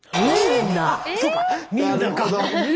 え！